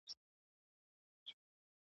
چارواکي به ټولو ته برابر حقونه ورکوي.